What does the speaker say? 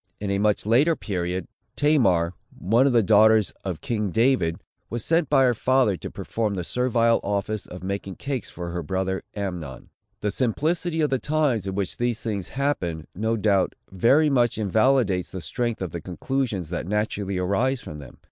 In a much later period, Tamar, one of the daughters of king David, was sent by her father to perform the servile office of making cakes for her brother Amnon. The simplicity of the times in which these things happened, no doubt, very much invalidates the strength of the conclusions that naturally arise from them.